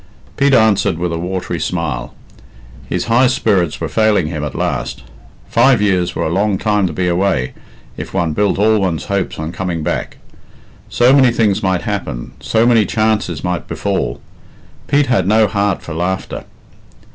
Pete answered with a watery smile. His high spirits were failing him at last. Five years were a long time to be away, if one built all one's hopes on coming back. So many things might happen, so many chances might befall. Pete had no heart for laughter.